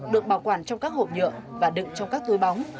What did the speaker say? được bảo quản trong các hộp nhựa và đựng trong các túi bóng